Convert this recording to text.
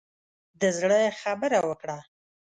د زړه خبره وکړه.